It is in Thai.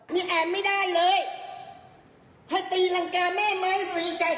นี่แอบไม่ได้เลยให้ตีรังกาแม่มาให้ฝึกใจ